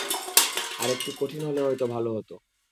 আরেকটু কঠিন হলে হয়তো ভালো হতো।